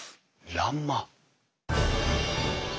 欄間。